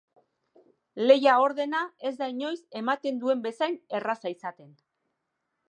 Lehia ordea ez da inoiz ematen duen bezain erraza izaten.